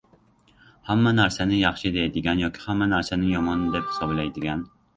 Hamma narsani yaxshi deydigan yoki hamma narsani yomon deb hisoblaydigan